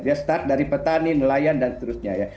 dia start dari petani nelayan dan seterusnya ya